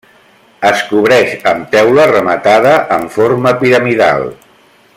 Es cobreix amb teula rematada en forma piramidal.